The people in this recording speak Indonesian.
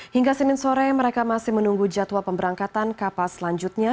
hingga senin sore mereka masih menunggu jadwal pemberangkatan kapal selanjutnya